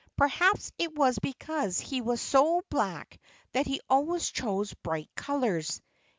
Perhaps it was because he was so black that he always chose bright colors.